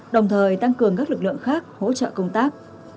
đồng thời tăng cường các lực lượng khác hỗ trợ công tác